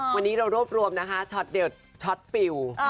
วันนี้เรารวบรวมนะคะช็อตเด็ดช็อตฟิล